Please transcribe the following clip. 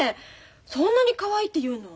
そんなにかわいいっていうの？